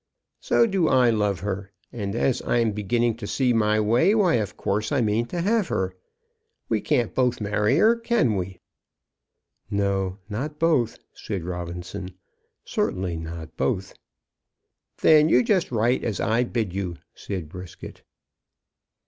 "So do I love her; and as I'm beginning to see my way, why, of course, I mean to have her. We can't both marry her; can we?" "No; not both," said Robinson. "Certainly not both." "Then you just write as I bid you," said Brisket.